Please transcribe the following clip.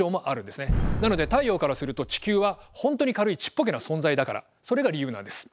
なので太陽からすると地球は本当に軽いちっぽけな存在だからそれが理由なんです。